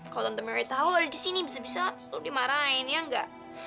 kalo tante mary tau lo ada disini bisa bisa lo dimarahin ya engga